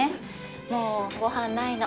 もうごはんないの。